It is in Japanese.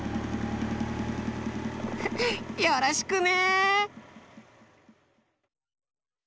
よろしくね！